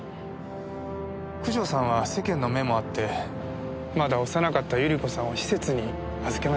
九条さんは世間の目もあってまだ幼かった百合子さんを施設に預けました。